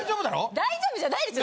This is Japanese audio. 大丈夫じゃないですよ！